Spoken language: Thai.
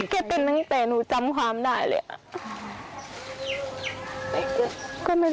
เขาก็ใจได้กลายบริการ